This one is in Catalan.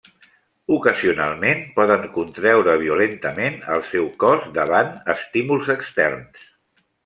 Ocasionalment, poden contreure violentament el seu cos davant estímuls externs.